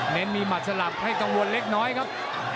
เน้นมีหมัดสลับให้กังวลเล็กน้อยครับ